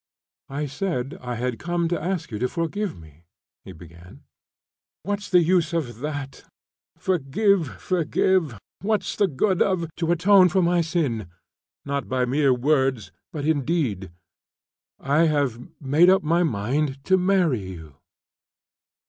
"I said I had come to ask you to forgive me," he began. "What's the use of that? Forgive, forgive, where's the good of " "To atone for my sin, not by mere words, but in deed. I have made up my mind to marry you."